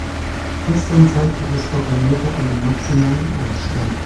Gestern zeigte das Barometer einen maximalen Ausschlag.